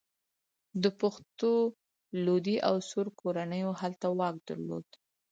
د پښتنو لودي او سور کورنیو هلته واک درلود.